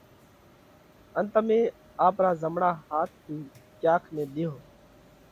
ان تمي آپرا زمڻا هاٿ ٿِي ڪياڪ نئہ ۮيوه